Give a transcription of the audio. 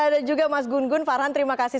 dan juga mas gun gun farhan terima kasih